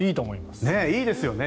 いいですよね。